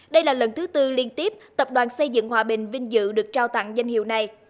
đây là lần thứ tư liên tiếp tập đoàn xây dựng hòa bình vinh dự được trao tặng danh hiệu này